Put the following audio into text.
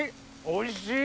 おいしい！